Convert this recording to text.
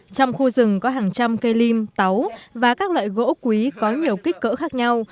trong khu rừng có hàng trăm cây lim táu và các loại gỗ quý có nhiều kích cỡ khác nhau